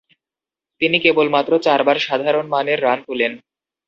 তিনি কেবলমাত্র চারবার সাধারণমানের রান তুলেন।